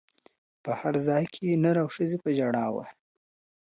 په هر ځای کي نر او ښځي په ژړا وه.